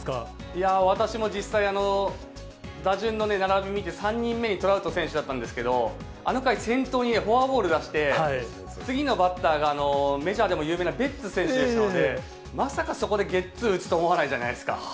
いやー、私も実際、打順の並び見て、３人目にトラウト選手だったんですけど、あの回、先頭にフォアボール出して、次のバッターがメジャーでも有名なベッツ選手で、まさかそこでゲッツー打つと思わないじゃないですか。